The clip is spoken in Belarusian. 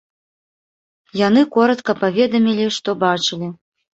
Яны коратка паведамілі, што бачылі.